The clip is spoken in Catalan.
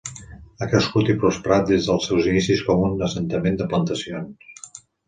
Ha crescut i prosperat des dels seus inicis com un assentament de plantacions.